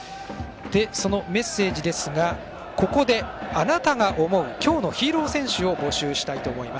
そのメッセージですがここで、あなたが思う「きょうのヒーロー選手」を募集したいと思います。